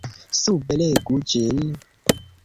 Sube legu ĝin.